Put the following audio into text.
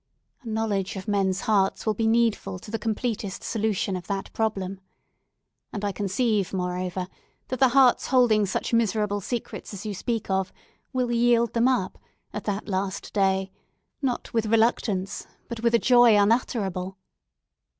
A knowledge of men's hearts will be needful to the completest solution of that problem. And, I conceive moreover, that the hearts holding such miserable secrets as you speak of, will yield them up, at that last day, not with reluctance, but with a joy unutterable."